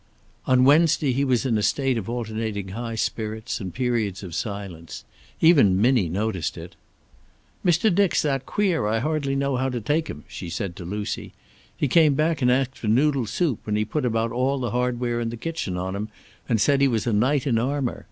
On Wednesday he was in a state of alternating high spirits and periods of silence. Even Minnie noticed it. "Mr. Dick's that queer I hardly know how to take him." she said to Lucy. "He came back and asked for noodle soup, and he put about all the hardware in the kitchen on him and said he was a knight in armor.